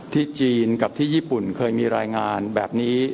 ที่จีนกับที่ญี่ปุ่นเคยมีรายงานแบบนี้